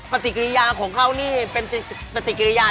ปติกรียาของเค้านี่เป็นเป็นปติกรียา